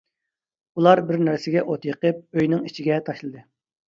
ئۇلار بىر نەرسىگە ئوت يېقىپ ئۆينىڭ ئىچىگە تاشلىدى.